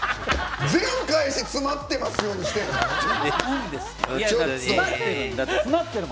全返し、詰まってますよにしてる。